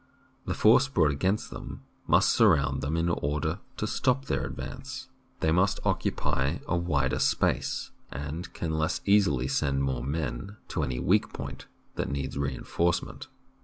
The force brought against them must surround them in order to stop their advance. They must occupy a wider space, and can less easily send more men to any weak point that needs reinforcement.